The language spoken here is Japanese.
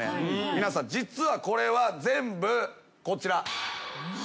皆さん実はこれは全部こちら。